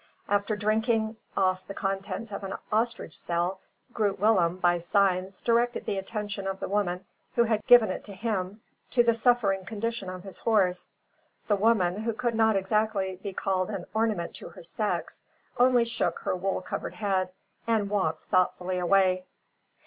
After drinking off the contents of an ostrich shell, Groot Willem by signs, directed the attention of the woman who had given it to him, to the suffering condition of his horse. The woman, who could not exactly be called an "ornament to her sex," only shook her wool covered head and walked thoughtfully away.